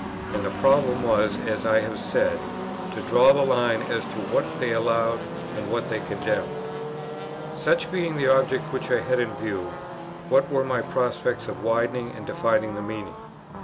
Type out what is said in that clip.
And the problem was, as I have said, to draw the line as to what they allowed and what they condemned. Such being the object which I had in view, what were my prospects of widening and of defining their meaning?